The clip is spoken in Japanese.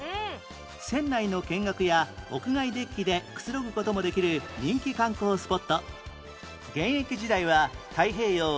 船内の見学や屋外デッキでくつろぐ事もできる人気観光スポット